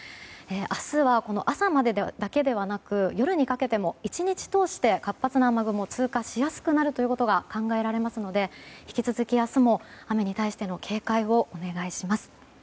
明日は、朝までだけではなく夜にかけても１日通して活発な雨雲が通過しやすくなることが考えられるので引き続き明日も雨に対して警戒をお願いします。